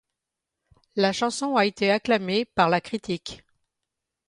La chanson a été acclamé par la critique.